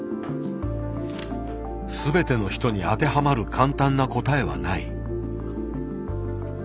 全ての人に当てはまる簡単な答えはない。